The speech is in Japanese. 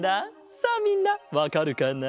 さあみんなわかるかな？